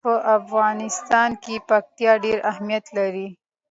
په افغانستان کې پکتیا ډېر اهمیت لري.